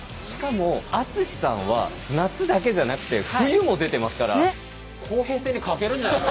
しかも篤さんは夏だけじゃなくて冬も出てますから。